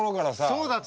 そうだった！